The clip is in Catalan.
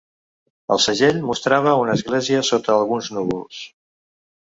El segell mostrava una església sota alguns núvols.